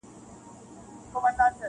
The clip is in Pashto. هم ګونګی سو هم یې مځکه نه لیدله-